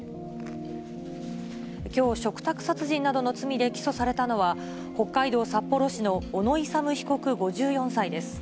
きょう、嘱託殺人などの罪で起訴されたのは、北海道札幌市の小野勇被告５４歳です。